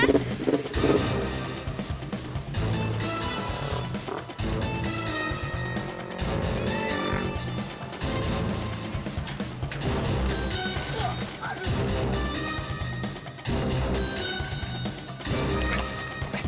pak kemana lu pak